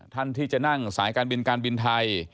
ท่านที่จะนั่งสายการบินการบินไทย